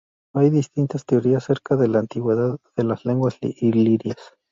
Hay distintas teorías acerca de la antigüedad de las lenguas ilirias.